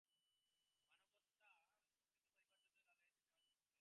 মানবাত্মা এমন কিছু পাইবার জন্যই লালায়িত, যাহা চিরস্থায়ী।